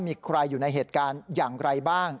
มีใครอยู่ในเหตุการณ์อย่างไรบ้าง